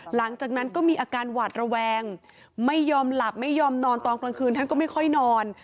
หลังจากนั้นก็มีอาการหวาดระแวงไม่ยอมหลับไม่ยอมนอนตอนกลางคืนท่านก็ไม่ค่อยนอน